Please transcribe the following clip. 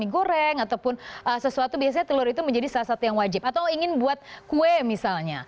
goreng ataupun sesuatu biasanya telur itu menjadi salah satu yang wajib atau ingin buat kue misalnya